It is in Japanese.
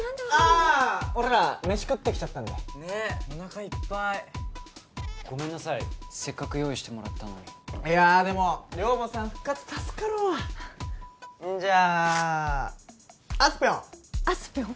あー俺ら飯食ってきちゃったんでねっお腹いっぱいごめんなさいせっかく用意してもらったのにいやーでも寮母さん復活助かるわんじゃああすぴょん！